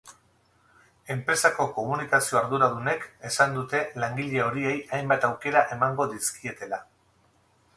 Enpresako komunikazio arduradunek esan dute langile horiei hainbat aukera emango dizkietela.